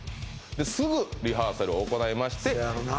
すぐリハーサルを行いましてせやろな